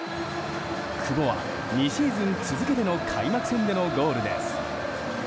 久保は、２シーズン続けての開幕戦でのゴールです。